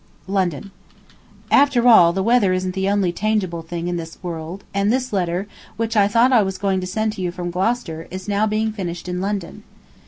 LONDON. After all, the weather isn't the only changeable thing in this world, and this letter, which I thought I was going to send to you from Gloucester, is now being finished in London.